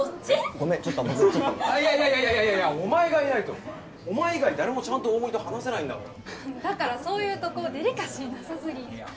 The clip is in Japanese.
ごめんちょっと僕ちょっといやいやいやいやお前がいないとお前以外誰もちゃんと大森と話せないんだからだからそういうとこデリカシーなさすぎいや